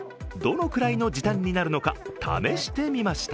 どのくらいの時短になるのか試してみました。